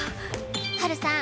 「ハルさん！